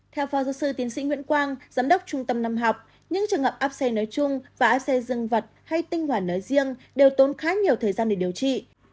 theo phó giáo sư tiến sĩ nguyễn quang giám đốc trung tâm năm học những trường hợp áp xe nới chung và áp xe dân vật hay tinh hoàn nới riêng đều tốn khá nhiều thời gian để điều trị